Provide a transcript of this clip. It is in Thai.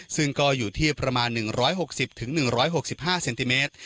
ซึ่งก็อยู่ที่ประมาณ๑๖๐๑๖๕เซนติเมตร